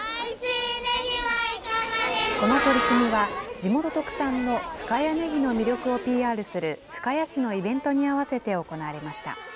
地元特産の深谷ねぎの魅力をＰＲする深谷市のイベントに合わせて行われました。